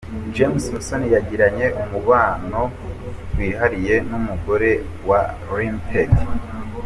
James Musoni yagiranye umubano wihariye n’ umugore wa Rtd.